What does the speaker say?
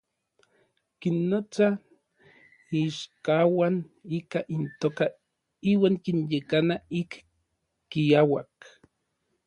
Kinnotsa n iichkauan ika intoka iuan kinyekana ik kiauak.